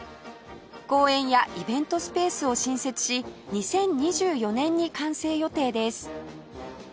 公園やイベントスペースを新設し２０２４年に完成予定です